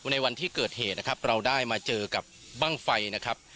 ในวันที่เกิดเหตุนะครับเราได้มาเจอกับบ้างไฟนะครับ